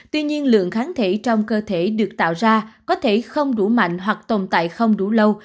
tuy nhiên lượng kháng thể trong cơ thể được tạo ra có thể không đủ mạnh hoặc tồn tại không đủ lâu